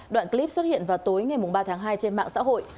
đoạn clip xuất hiện vào tối ngày ba tháng hai trên mạng xã hội